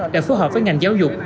đã phối hợp với ngành giáo dục